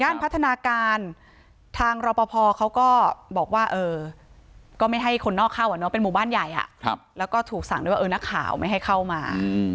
ย่านพัฒนาการทางรพพอเขาก็บอกว่าเออก็ไม่ให้คนนอกเข้าก็เป็นบ้านใหญ่อ่ะแล้วก็ถูกสั่งด้วยว่าเออนักข่าวไม่ให้เข้ามา